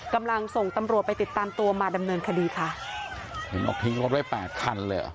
กำลังส่งตำรวจไปติดตามตัวมาดำเนินคดีค่ะเห็นบอกทิ้งรถไว้แปดคันเลยเหรอ